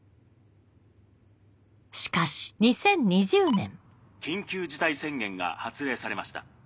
しかし緊急事態宣言が発令されました。